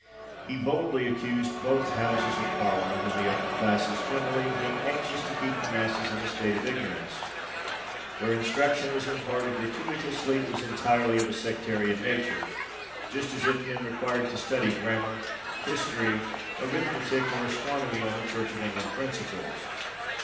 He boldly accused both Houses of Parliament and the upper classes generally of being anxious to keep the masses in a state of ignorance. Where instruction was imparted gratuitously, it was entirely of a sectarian nature; just as if men required to study grammar, history, arithmetic, or astronomy on Church of England principles.